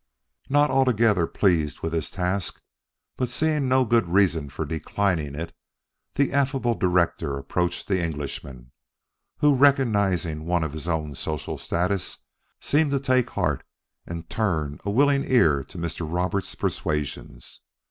Not altogether pleased with his task, but seeing no good reason for declining it, the affable director approached the Englishman, who, recognizing one of his own social status, seemed to take heart and turn a willing ear to Mr. Roberts' persuasions.